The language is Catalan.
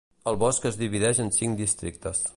El bosc es divideix en cinc districtes.